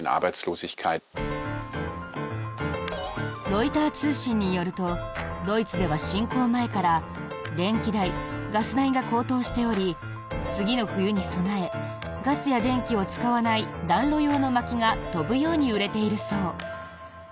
ロイター通信によるとドイツでは侵攻前から電気代・ガス代が高騰しており次の冬に備えガスや電気を使わない暖炉用のまきが飛ぶように売れているそう。